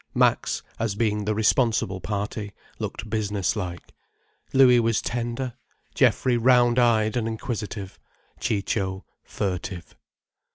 Max, as being the responsible party, looked business like. Louis was tender, Geoffrey round eyed and inquisitive, Ciccio furtive.